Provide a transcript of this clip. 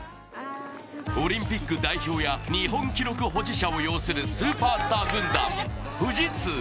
オリンピック代表や日本記録保持者を擁するスーパースター軍団、富士通。